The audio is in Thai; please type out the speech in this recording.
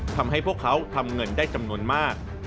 ทำให้พวกเขาทำเงินได้จำนวนมาก